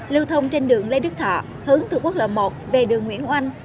lưu thông trên đường lê đức thọ hướng từ quốc lộ một về đường nguyễn oanh